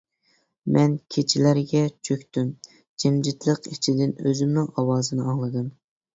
مەن كېچىلەرگە چۆكتۈم، جىمجىتلىق ئىچىدىن ئۆزۈمنىڭ ئاۋازىنى ئاڭلىدىم.